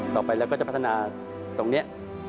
ต่อไปเราก็จะพัฒนาตรงนี้